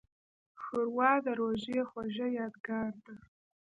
ښوروا د روژې خوږه یادګار ده.